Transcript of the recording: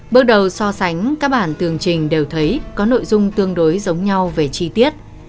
bước đầu so sánh các bản tường trình đều thấy có nội dung tương đối giống nhau về chi tiết